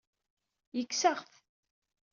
Yekkes-aɣ-t.